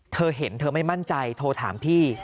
เธอเห็นเธอไม่มั่นใจโทรถามพี่